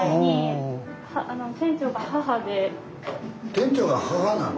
店長が母なの？